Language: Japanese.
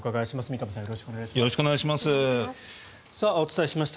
よろしくお願いします。